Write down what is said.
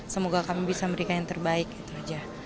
semoga kami bisa memberikan yang terbaik itu saja